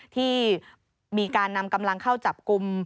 ที่มีการนำกำลังเข้าจับกลุ่ม